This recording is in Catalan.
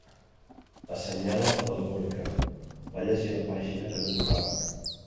Assenyala el Gorka— va llegir la pàgina que no tocava.